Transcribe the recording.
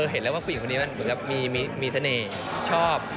เห็นแล้วว่าผู้หญิงคนนี้มันมีทะเลชอบ